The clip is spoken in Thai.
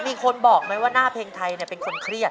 มีคนบอกไหมว่าหน้าเพลงไทยเป็นคนเครียด